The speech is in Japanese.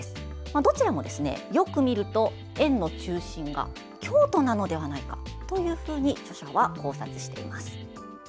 どちらも、よく見ると円の中心が京都なのではないかというふうに著者は考察しています。